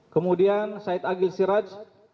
kemudian said agil siraj